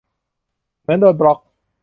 เหมือนโดนบล็อก